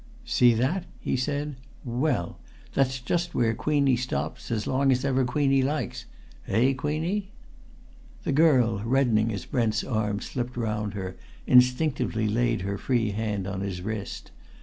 "See that?" he said. "Well! that's just where Queenie stops, as long as ever Queenie likes! Eh, Queenie?" The girl, reddening as Brent's arm slipped round her, instinctively laid her free hand on his wrist.